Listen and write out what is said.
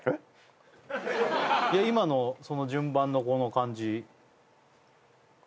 今のその順番のこの感じ